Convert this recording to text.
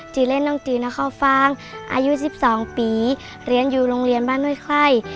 จือเล่นน้องจือน้องข้าวฟังอายุ๑๒ปีเรียนอยู่โรงเรียนบ้านด้วยใคร